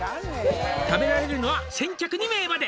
「食べられるのは先着２名まで」